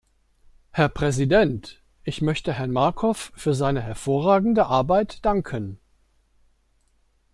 Herr Präsident! Ich möchte Herrn Markov für seine hervorragende Arbeit danken.